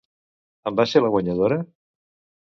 En va ser la guanyadora?